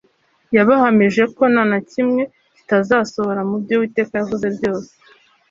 Yabahamirije ko nta na kimwe kitazasohora mu byo Uwiteka yavuze byose